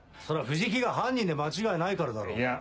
それは藤木が犯人で間違いないからだろう。